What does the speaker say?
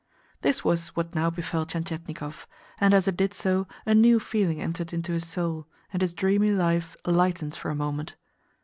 This was what now befell Tientietnikov; and as it did so a new feeling entered into his soul, and his dreamy life lightened for a moment.